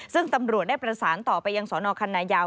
ซึ่งตำรวจได้ประสานต่อไปยังสนคันนายาว